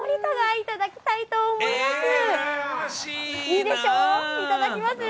いただきますよ。